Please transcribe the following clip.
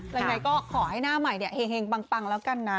ยังไงก็ขอให้หน้าใหม่เนี่ยเฮงปังแล้วกันนะ